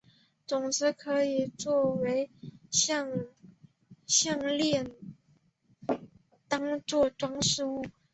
种子可以作成项炼当作装饰品。